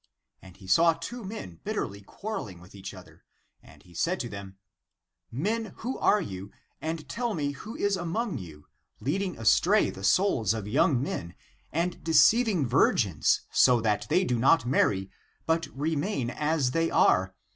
And he saw two men bitterly quarrel ing with each other, and he said to them, " Men, who are you, and tell me who is this among you, leading astray the souls of young men, and deceiv ing virgins, so that they do not marry, but remain as they are?